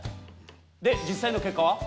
で実際の結果は？